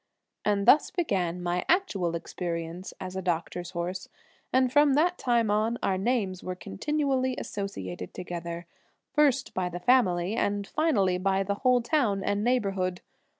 And thus began my actual experience as a doctor's horse; and from that time on our names were continually associated together, first by the family and finally by the whole town and neighborhood.